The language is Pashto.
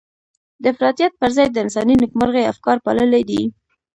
د افراطيت پر ځای د انساني نېکمرغۍ افکار پاللي دي.